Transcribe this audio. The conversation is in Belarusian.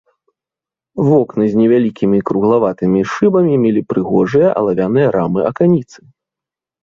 Вокны з невялікімі круглаватымі шыбамі мелі прыгожыя алавяныя рамы-аканіцы.